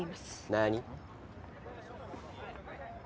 何？